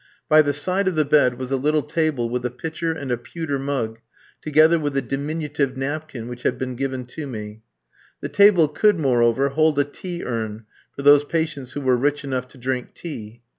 By the side of the bed was a little table with a pitcher and a pewter mug, together with a diminutive napkin, which had been given to me. The table could, moreover, hold a tea urn for those patients who were rich enough to drink tea.